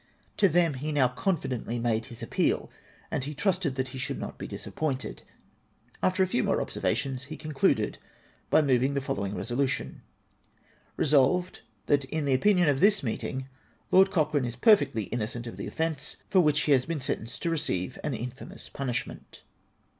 To them he now confidently made his appeal, and he trusted that he should not be disappointed. After a few more observations, he con cluded by moving the following resolution :—" Resolved, that in the opinion of this meeting, Lord Cochrane is perfectly innocent of the offence for which he has been sentenced to receive an infamous punishment."